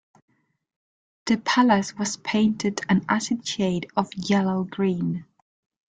The palace was painted an acid shade of yellow-green.